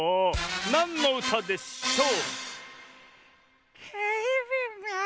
なんのうたでしょう？